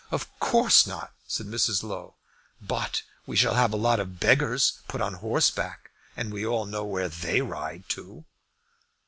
"Of course not," said Mrs. Low. "But we shall have a lot of beggars put on horseback, and we all know where they ride to."